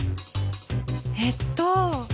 えっと